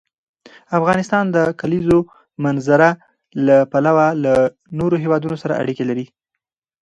افغانستان د د کلیزو منظره له پلوه له نورو هېوادونو سره اړیکې لري.